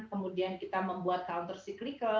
kemudian kita membuat counter cyclical